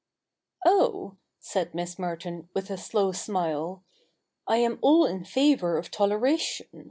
' Oh,' said Miss Merton with a slow smile, ' I am all in favour of toleration.